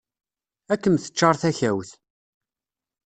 Ad kem-teččar takawt.